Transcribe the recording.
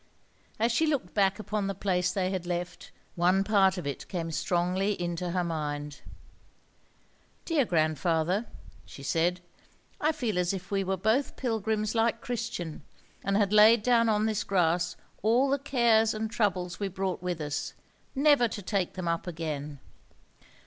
As she looked back upon the place they had left, one part of it came strongly into her mind. "Dear grandfather," she said, "I feel as if we were both pilgrims like Christian, and had laid down on this grass all the cares and troubles we brought with us, never to take them up again."